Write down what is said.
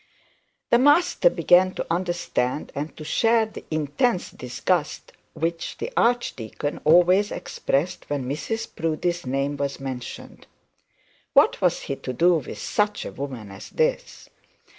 The master began to understand and to share the intense disgust which the archdeacon always expressed when Mrs Proudie's name was mentioned. What was he to do with such a woman as this?